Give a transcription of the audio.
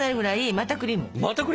またクリーム？